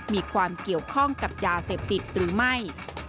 มีความเกี่ยวข้องกับยาเสพติดหรือไม่